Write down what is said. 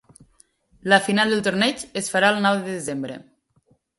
La final del torneig es farà el nou de desembre.